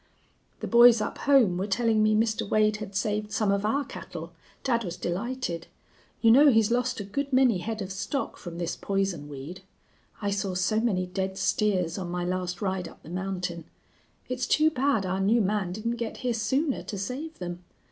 "The boys up home were telling me Mr. Wade had saved some of our cattle. Dad was delighted. You know he's lost a good many head of stock from this poison weed. I saw so many dead steers on my last ride up the mountain. It's too bad our new man didn't get here sooner to save them.